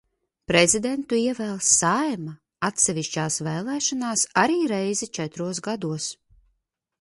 Prezidentu ievēl Saeima atsevišķās vēlēšanās arī reizi četros gados.